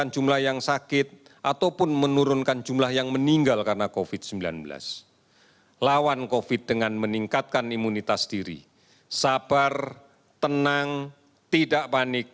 jumlah kasus yang diperiksa sebanyak empat puluh delapan enam ratus empat puluh lima